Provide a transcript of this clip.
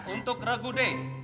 untuk regu d